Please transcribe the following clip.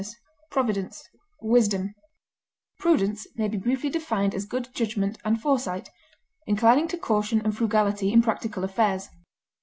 consideration, frugality, Prudence may be briefly defined as good judgment and foresight, inclining to caution and frugality in practical affairs.